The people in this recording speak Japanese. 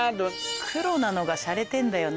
黒なのがしゃれてんだよな。